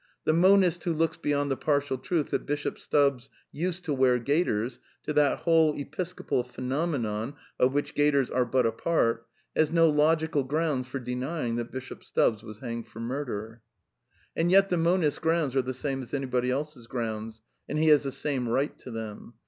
The monist who looks beyond the partial truth that Bishop Stubbs used to wear gaiters to that whole episcopal phenomenon of which gaiters are but a part, has no logical grounds for denying tibat Bishop Stubbs was hanged for murder. And yet the monist's grounds are the same as anybody else's grounds, and he has the same right to them.